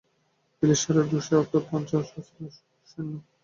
দিল্লীশ্বরের রোষের অর্থ পঞ্চাশ সহস্র সৈন্য।